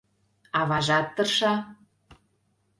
Аважат тырша...